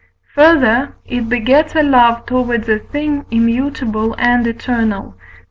Further, it begets a love towards a thing immutable and eternal (V.